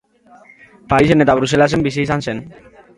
Parisen eta Bruselan bizi izan zen.